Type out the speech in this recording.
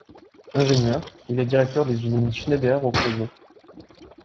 Ingénieur, il est directeur des usines Schneider au Creusot.